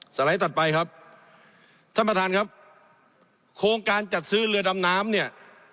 ไลด์ถัดไปครับท่านประธานครับโครงการจัดซื้อเรือดำน้ำเนี่ย